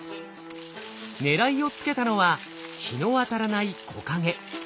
狙いをつけたのは日の当たらない木陰。